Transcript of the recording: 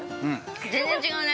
◆全然違うね。